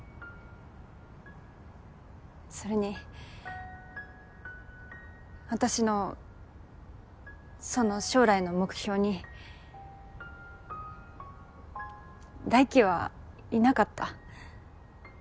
それに私のその将来の目標に大樹はいなかった。